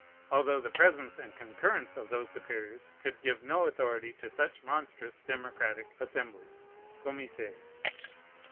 although the presence and concurrence of those superiors could give no authority to such monstrous democratic assemblies [comices]."